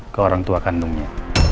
ke orang tua kandungnya